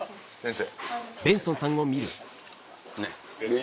先生。